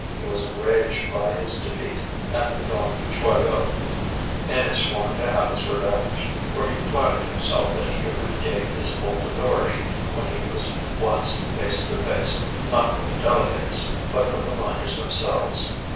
He was enraged by his defeat at the Bon Joyeux, and had sworn to have his revenge, for he flattered himself that he could regain his old authority when he was once face to face, not with the delegates, but with the miners themselves.